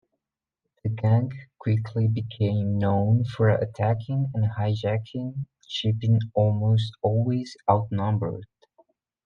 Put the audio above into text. The gang quickly became known for attacking and hijacking shipping almost always outnumbered.